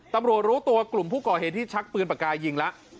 รู้ตัวกลุ่มผู้ก่อเหตุที่ชักปืนปากกายิงแล้ว